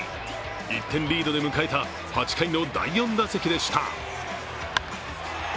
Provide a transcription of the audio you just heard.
１点リードで迎えた８回の第４打席でした。